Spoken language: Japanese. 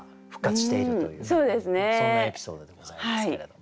そんなエピソードでございますけれども。